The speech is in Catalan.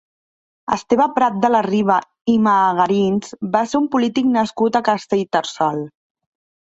Esteve Prat de la Riba i Magarins va ser un polític nascut a Castellterçol.